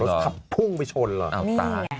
รถขับพุงไปชนหรอก